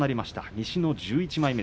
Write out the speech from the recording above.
西の１１枚目。